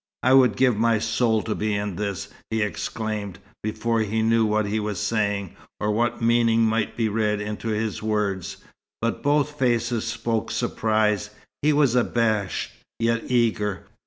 "I would give my soul to be in this!" he exclaimed, before he knew what he was saying, or what meaning might be read into his words. But both faces spoke surprise. He was abashed, yet eager.